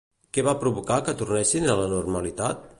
Què va provocar que tornessin a la normalitat?